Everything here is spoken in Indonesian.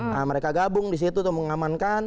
nah mereka gabung disitu untuk mengamankan